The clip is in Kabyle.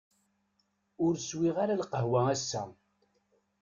Ur swiɣ ara lqahwa ass-a.